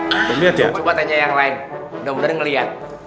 enggak ada yang lihat gak coba tanya yang lain udah bener ngelihat